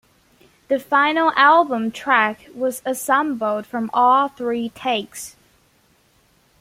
The final album track was assembled from all three takes.